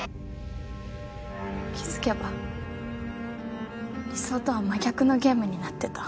気づけば理想とは真逆のゲームになってた。